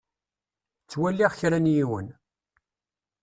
Ttwaliɣ kra n yiwen.